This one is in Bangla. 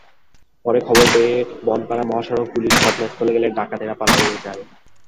পরে খবর পেয়ে বনপাড়া মহাসড়ক পুলিশ ঘটনাস্থলে গেলে ডাকাতেরা পালিয়ে যায়।